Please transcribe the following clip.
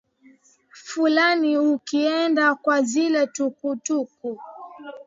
fulani ukienda kwa zile tukutuku